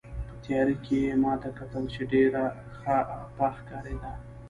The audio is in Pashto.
په تیارې کې یې ما ته کتل، چې ډېره خپه ښکارېده.